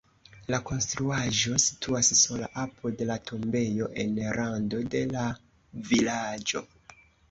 La konstruaĵo situas sola apud la tombejo en rando de la vilaĝo.